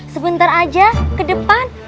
sebentar aja ke depan